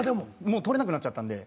もう取れなくなっちゃったんで。